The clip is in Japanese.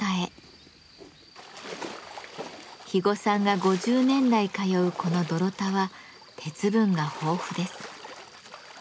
肥後さんが５０年来通うこの泥田は鉄分が豊富です。